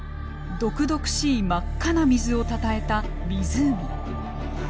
毒々しい真っ赤な水をたたえた湖。